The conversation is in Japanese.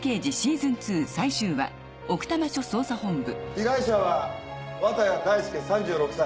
被害者は綿谷大介３６歳。